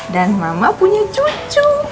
dan mama punya cucu